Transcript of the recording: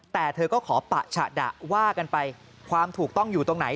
แต่เธอก็ขอปะฉะดะว่ากันไปความถูกต้องอยู่ตรงไหน